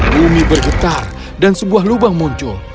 bumi bergetar dan sebuah lubang muncul